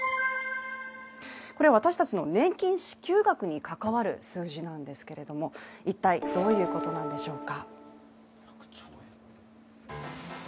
これは私たちの年金支給額に関わる数字なんですけれども、一体どういうことなんでしょうか？